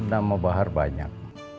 nama bahar banyak